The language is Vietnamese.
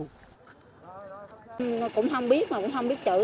chúng tôi cũng không biết mà cũng không biết chữ